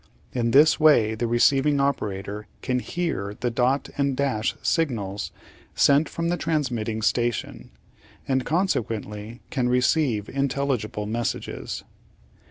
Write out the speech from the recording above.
In this way the receiving operator can hear the dot and dash signals sent from the transmitting station, and consequently can receive in telligible messages.